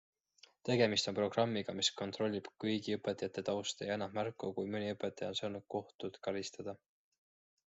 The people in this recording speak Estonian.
Tegemist on programmiga, mis kontrollib kõigi õpetajate tausta ja annab märku, kui mõni õpetaja on saanud kohtult karistada.